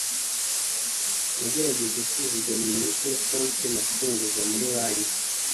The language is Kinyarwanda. nagerageje kwizigama inyungu kuri konti nafunguje muri banki